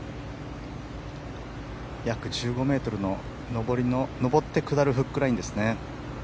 約１５ｍの上って下るフックラインですね。